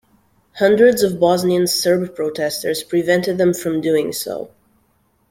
Hundreds of Bosnian Serb protestors prevented them from doing so.